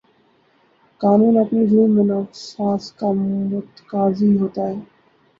قانون اپنی روح میں نفاذ کا متقاضی ہوتا ہے